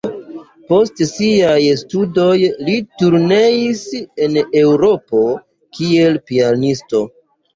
Post siaj studoj li turneis en Eŭropo kiel pianisto.